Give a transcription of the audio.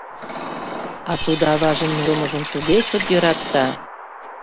А тудо аважын мурымыжым туге чот йӧрата!